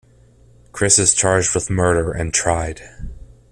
Chris is charged with murder and tried.